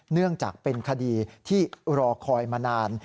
เนื่องจากเป็นคดีที่รอคอยมานาน